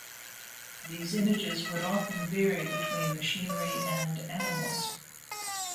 These images would often vary between machinery and animals.